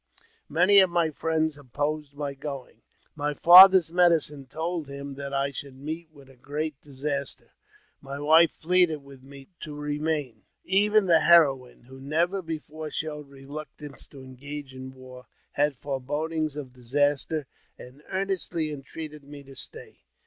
Many of my friends opposed my going. My father's medicine told him that I should meet with a great disaster. My wife pleaded with me to remain. Even the heroine, who never be fore showed reluctance to engage in war, had forebodings of disaster, and earnestly entreated me to stay.